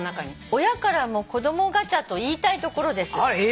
「親からも子供ガチャと言いたいところです」